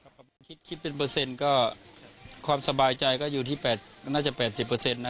ผมคิดเป็นเปอร์เซ็นต์ก็ความสบายใจก็อยู่ที่น่าจะ๘๐นะ